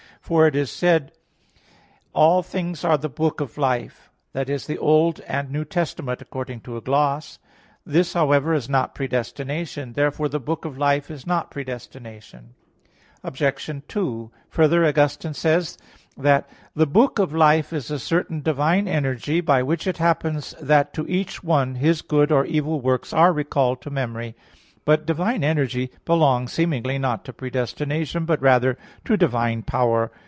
For it is said, "All things are the book of life" (Ecclus. 4:32) i.e. the Old and New Testament according to a gloss. This, however, is not predestination. Therefore the book of life is not predestination. Obj. 2: Further, Augustine says (De Civ. Dei xx, 14) that "the book of life is a certain divine energy, by which it happens that to each one his good or evil works are recalled to memory." But divine energy belongs seemingly, not to predestination, but rather to divine power.